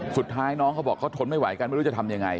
สุดท้ายน้องเขาบอกเขาทนไม่ไหวกันไม่รู้จะทำยังไง